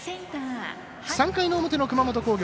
３回の表の熊本工業。